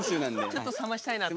ちょっと冷ましたいなと思って。